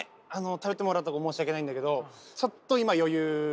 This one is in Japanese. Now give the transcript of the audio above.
頼ってもらったところ申し訳ないんだけどちょっと今余裕ない。